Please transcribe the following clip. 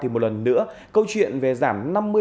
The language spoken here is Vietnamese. một lần nữa câu chuyện về giảm năm mươi phí chiếc bạc ôtô